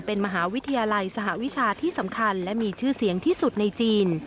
เป็นมหาวิทยาลัยสหวิชาที่สำคัญและมีชื่อเสียงที่สุดในจีน